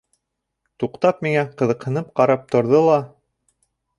Туҡтап, миңә ҡыҙыҡһынып ҡарап торҙо ла: